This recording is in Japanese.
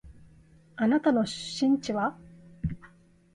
あなたの出身地は？